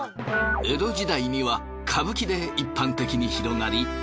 江戸時代には歌舞伎で一般的に広がり今では。